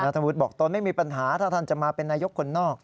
ธวุฒิบอกตนไม่มีปัญหาถ้าท่านจะมาเป็นนายกคนนอก